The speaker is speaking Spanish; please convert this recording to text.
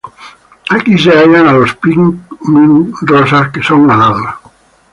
Aquí se hallan a los pikmin rosas que son alados.